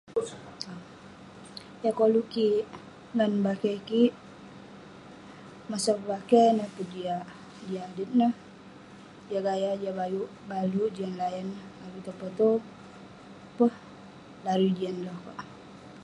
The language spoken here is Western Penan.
Yah koluk kik ngan bakeh kik, masa pebakeh nah peh jiak adet neh, jiak gaya, jiak baluk, jiak layan neh. Avik toh potew peh, larui jian loh kek.